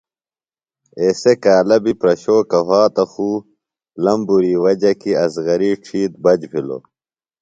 اسے کالہ بیۡ پرشوکہ وھاتہ خو لمبُری وجہ کیۡ اصغری ڇھیتر بچ بھِلوۡ .